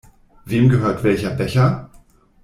Wem gehört welcher Becher?